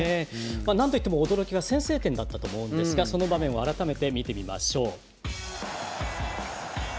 何といっても驚きは先制点だったと思うんですがその場面を改めて見てみましょう。